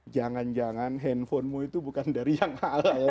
jangan jangan handphonemu itu bukan dari yang halal